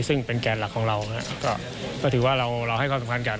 ซึ่งเป็นแกนหลักของเราก็ถือว่าเราให้ความสำคัญกับ